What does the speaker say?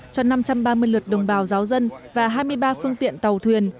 cho năm trăm ba mươi lượt đồng bào giáo dân và hai mươi ba phương tiện tàu thuyền